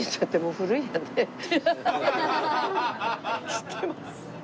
知ってます？